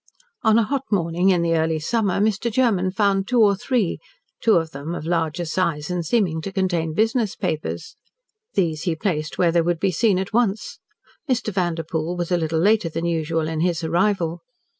On a hot morning in the early summer Mr. Germen found two or three two of them of larger size and seeming to contain business papers. These he placed where they would be seen at once. Mr. Vanderpoel was a little later than usual in his arrival.